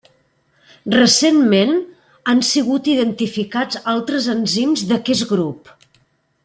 Recentment, han sigut identificats altres enzims d’aquest grup.